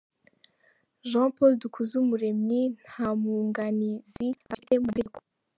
Jean Paul Dukuzumuremyi nta mwunganizi afite mu mategeko.